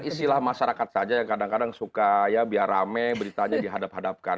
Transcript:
istilah masyarakat saja yang kadang kadang suka ya biar rame beritanya dihadap hadapkan